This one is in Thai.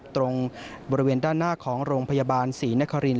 ตรงบริเวณด้านหน้าของโรงพยาบาลศรีนคริน